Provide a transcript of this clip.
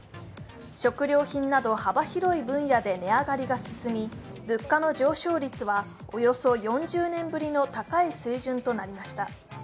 食料品など幅広い分野で値上がりが進み物価の上昇率はおよそ４０年ぶりの高い水準となりました。